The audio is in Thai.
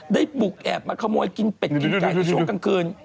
ได้บุกแอบมาขโมยกินเป็ดกินไก่ในช่วงกลางคืน